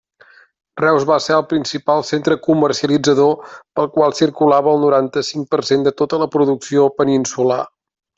Reus va ser el principal centre comercialitzador pel qual circulava el noranta-cinc per cent de tota la producció peninsular.